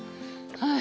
はい。